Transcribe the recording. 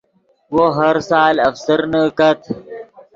وو ہر سال افسرنے کت